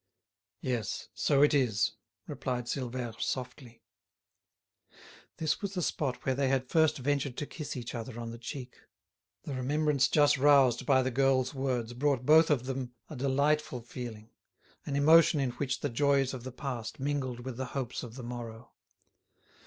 "Yes, so it is," replied Silvère, softly. This was the spot where they had first ventured to kiss each other on the cheek. The remembrance just roused by the girl's words brought both of them a delightful feeling, an emotion in which the joys of the past mingled with the hopes of the morrow.